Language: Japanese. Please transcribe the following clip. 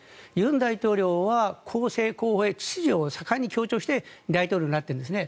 尹大統領は公正、公平、秩序を強調して大統領になっているんですね。